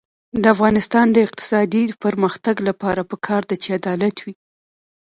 د افغانستان د اقتصادي پرمختګ لپاره پکار ده چې عدالت وي.